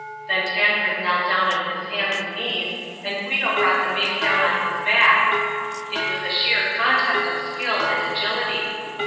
Then Tancred knelt down on his hands and knees and Guido brought the mace down on his back. It was a sheer contest of skill and agility.